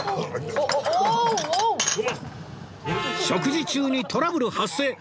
食事中にトラブル発生！